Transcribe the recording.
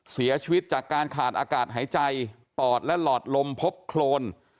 เสียชีวิตจากการขาดอากาศหายใจปอดและหลอดลมพบโครน